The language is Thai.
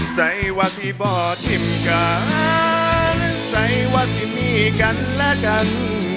ใส่ว่าที่บ่อทิมกันใส่ว่าสิมีกันและกัน